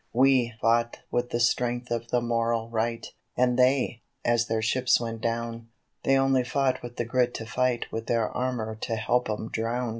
We fought with the strength of the moral right, and they, as their ships went down, They only fought with the grit to fight and their armour to help 'em drown.